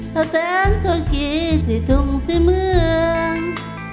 เท่าแทนทุกขี้ที่ถุงสิ่งเมือง